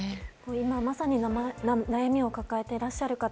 今まさに悩みを抱えていらっしゃる方